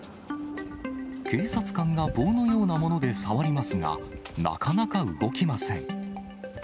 警察官が棒のようなもので触りますが、なかなか動きません。